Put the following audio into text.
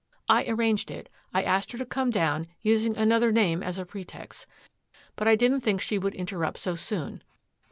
I arranged it. I asked her to come down, using another name as a pretext. But I didn't think she would interrupt so soon.